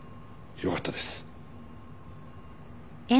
よかったです。